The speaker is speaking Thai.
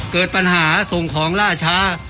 เกิดปัญหาส่งของล่าช้า